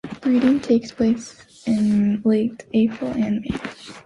Breeding takes place in late April and May.